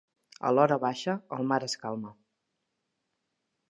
A l'horabaixa, el mar es calma.